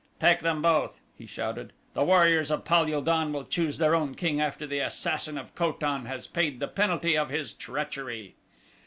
"Take them both!" he shouted. "The warriors of Pal ul don will choose their own king after the assassin of Ko tan has paid the penalty of his treachery."